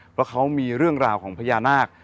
เพราะเขามีเรื่องราวของพญานาค